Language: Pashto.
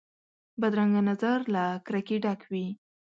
بدرنګه نظر له کرکې ډک وي